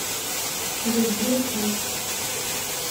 Ḥrez waki!